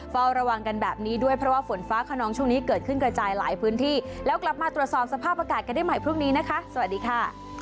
เฝ้าระวังกันแบบนี้ด้วยเพราะว่าฝนฟ้าขนองช่วงนี้เกิดขึ้นกระจายหลายพื้นที่แล้วกลับมาตรวจสอบสภาพอากาศกันได้ใหม่พรุ่งนี้นะคะสวัสดีค่ะ